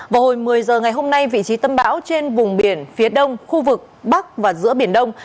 vào hồi một mươi giờ ngày hôm nay vị trí tâm bão trên vùng biển phía đông khu vực bắc và giữa biển đông